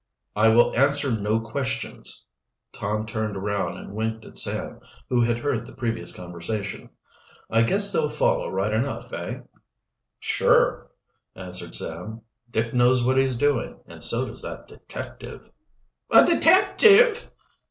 "I will answer no questions." Tom turned around and winked at Sam, who had heard the previous conversation. "I guess they'll follow right enough, eh?" "Sure," answered Sam. "Dick knows what he's doing, and so does that detective." "A detective!"